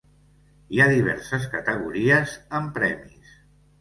Hi ha diverses categories amb premis.